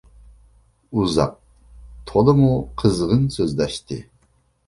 ئۇزاق، تولىمۇ قىزغىن سۆزلەشتى.